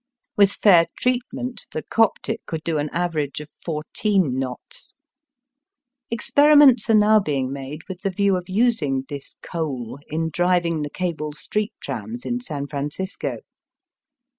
With fair treatment the Coptic could do an average of fourteen knots. Ex periments are now being made with the view of using this coal in driving the cable street trams in San Francisco.